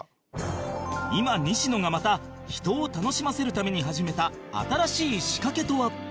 今西野がまた人を楽しませるために始めた新しい仕掛けとは？